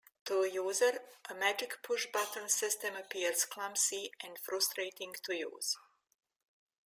To a user, a magic pushbutton system appears clumsy and frustrating to use.